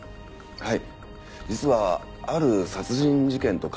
はい。